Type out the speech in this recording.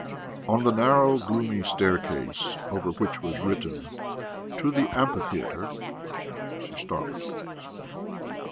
On the narrow, gloomy staircase over which was written "To the Amphitheatre," she stopped.